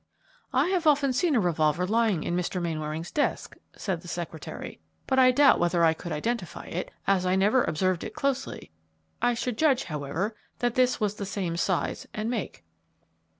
"I have often seen a revolver lying in Mr. Mainwaring's desk," said the secretary; "but I doubt whether I could identify it, as I never observed it closely. I should judge, however, that this was the same size and make."